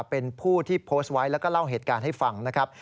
เป็นผู้ที่โพสต์ไว้แล้วก็เล่าเหตุการณ์ให้ฟังนะครับ